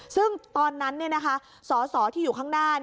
ซึ่งตอนนั้นสอสอที่อยู่ข้างหน้า